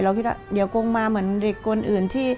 คิดว่าเดี๋ยวกงมาเหมือนเด็กคนอื่นที่